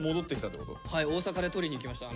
はい大阪で取りに行きました。